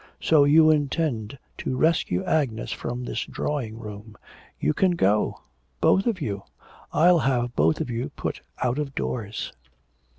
So you intend to rescue Agnes from this drawing room. You can go, both of you.... I'll have both of you put out of doors!'